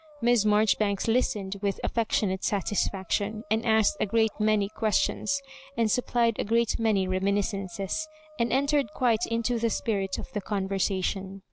Miss Marjoribanks listened with affectionate satis&ction, and asked a great many questions, and supplied a great many reminis cences, and entered quite into the spirit of the con versation.